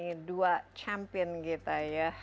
yang pertama adalah champion kita ya